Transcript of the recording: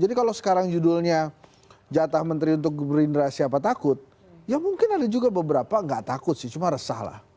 jadi kalau sekarang judulnya jatah menteri untuk gerindra siapa takut ya mungkin ada juga beberapa gak takut sih cuma resah lah